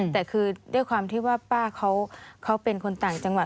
แต่คือด้วยความที่ว่าป้าเขาเป็นคนต่างจังหวัด